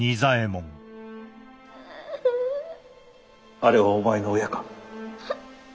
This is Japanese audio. あれはお前の親か？